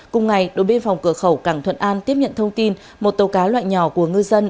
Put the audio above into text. cùng ngày đội biên phòng cửa khẩu cảng thuận an tiếp nhận thông tin một tàu cá loại nhỏ của ngư dân